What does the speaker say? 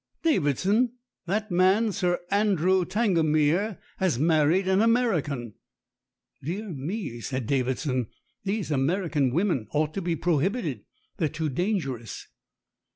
"Davidson, that man Sir Andrew Tangamere has married an American." "Dear me," said Davidson. "These American wom en ought to be prohibited. They're too dangerous."